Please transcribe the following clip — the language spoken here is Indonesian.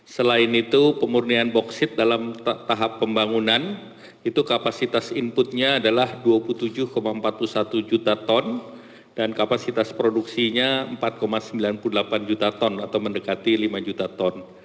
selain itu pemurnian boksit dalam tahap pembangunan itu kapasitas inputnya adalah dua puluh tujuh empat puluh satu juta ton dan kapasitas produksinya empat sembilan puluh delapan juta ton atau mendekati lima juta ton